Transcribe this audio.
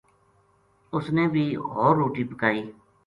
اس نے بھی ہو ر روٹی پکائی